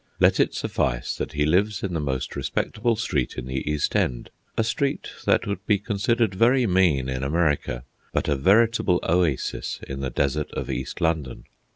Let it suffice that he lives in the most respectable street in the East End—a street that would be considered very mean in America, but a veritable oasis in the desert of East London.